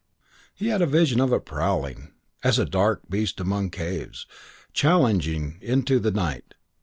He had a vision of it prowling, as a dark beast among caves, challenging into the night.